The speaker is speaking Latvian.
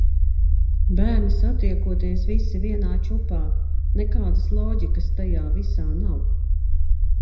Bērni satiekoties visi vienā čupā, nekādas loģikas tajā visā nav.